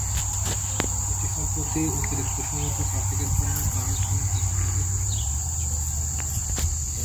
এটি সম্প্রতি অতিরিক্ত সমুদ্র ট্র্যাফিকের জন্য তার সমুদ্র বন্দরকে প্রসারিত করেছে।